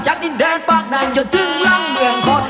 จากดินแดนฟากนั่งจนถึงรังเมืองคลอน